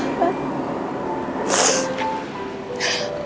justru bening yang merepotin bunda selama ini